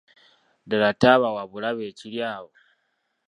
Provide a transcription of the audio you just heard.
Ddala ttaaba wabulabe ekiri awo?